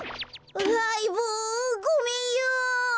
あいぼうごめんよ。